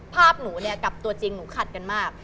ภาพหนูเนี่ยกับตัวจริงหนูขัดกันมาก